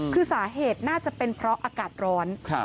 คือสาเหตุน่าจะเป็นเพราะอากาศร้อน